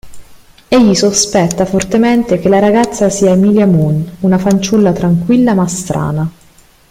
Egli sospetta fortemente che la ragazza sia Emilia Moon, una fanciulla tranquilla ma strana.